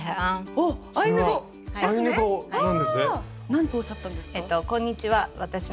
なんとおっしゃったんですか？